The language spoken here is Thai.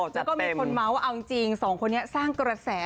แล้วก็มีคนเมาส์ว่าเอาจริงสองคนนี้สร้างกระแส